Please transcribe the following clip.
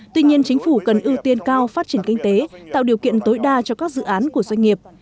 tuy nhiên chính phủ cần ưu tiên cao phát triển kinh tế tạo điều kiện tối đa cho các dự án của doanh nghiệp